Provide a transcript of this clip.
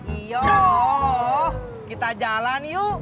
iyo kita jalan yuk